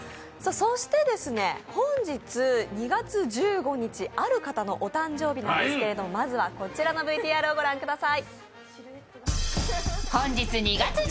そして、本日２月１５日ある方のお誕生日なんですけれどまずはこちらのＶＴＲをご覧ください。